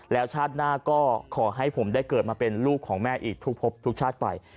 แล้วชาติหน้าก็ขอให้ผมได้เกิดมาเป็นลูกของแม่อีกทุกพบทุกชาติไป